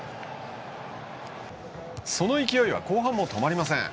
その勢いは後半も止まりません。